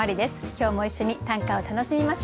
今日も一緒に短歌を楽しみましょう。